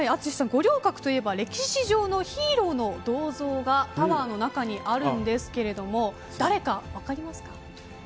五稜郭といえば歴史上のヒーローの銅像がタワーの中にあるんですけれども誰か分かりますか。